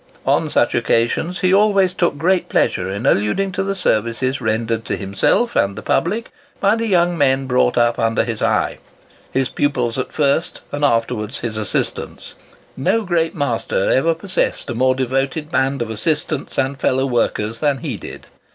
On such occasions he always took great pleasure in alluding to the services rendered to himself and the public by the young men brought up under his eye—his pupils at first, and afterwards his assistants. No great master ever possessed a more devoted band of assistants and fellow workers than he did.